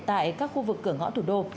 tại các khu vực cửa ngõ thủ đô